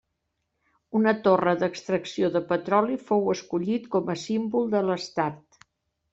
Una torre d'extracció de petroli fou escollit com a símbol de l'estat.